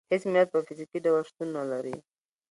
هېڅ ملت په فزیکي ډول شتون نه لري.